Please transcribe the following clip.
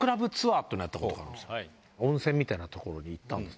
温泉みたいな所に行ったんです。